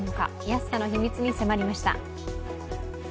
安さの秘密に迫りました。